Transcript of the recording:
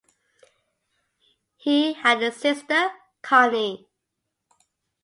He had a sister, Connie.